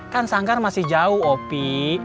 kan sanggar masih jauh opi